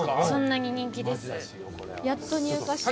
そんなに人気です。